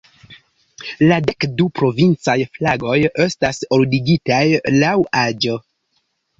La dek du provincaj flagoj estas ordigitaj laŭ aĝo.